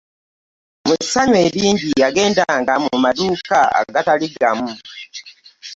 Mu ssanyu eringi yagenda nga mu maduuka agatali gamu .